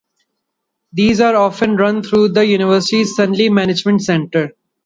These are often run through the university's Sunley Management Centre.